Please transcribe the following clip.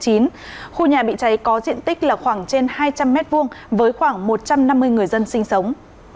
khu nhà bị cháy có diện tích là khoảng trên hai trăm linh m hai với khoảng một trăm năm mươi người dân sinh sống